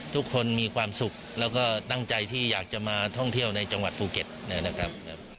ทุกคนมีความสุขแล้วก็ตั้งใจที่อยากจะมาท่องเที่ยวในจังหวัดภูเก็ตนะครับ